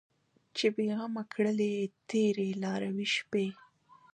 چې بې غمه کړلې تېرې لاروي شپې